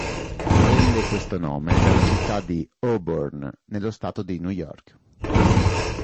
Prende questo nome dalla città di Auburn, nello Stato di New York.